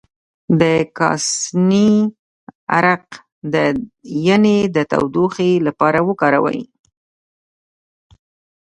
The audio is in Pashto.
د کاسني عرق د ینې د تودوخې لپاره وکاروئ